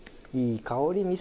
いい香り。